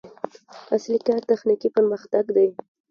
اصلي کار تخنیکي پرمختګ دی.